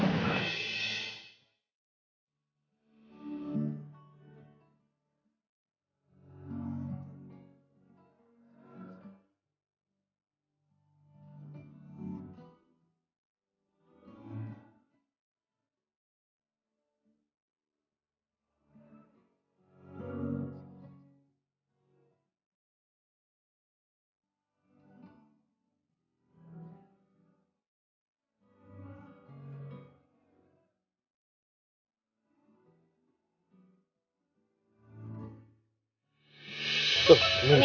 kau juga senang banget